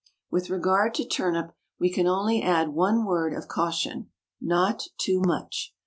With regard to turnip, we can only add one word of caution not too much.